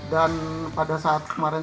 dan pada saat kemarin